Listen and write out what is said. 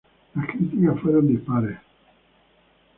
Las críticas fueron dispares.